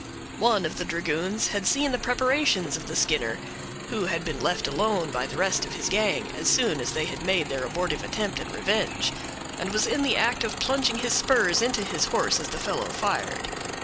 One of the dragoons had seen the preparations of the Skinner—who had been left alone by the rest of his gang, as soon as they had made their abortive attempt at revenge—and was in the act of plunging his spurs into his horse as the fellow fired.